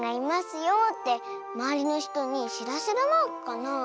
よってまわりのひとにしらせるマークかな？